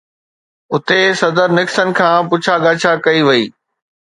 اتي صدر نڪسن کان پڇا ڳاڇا ڪئي وئي.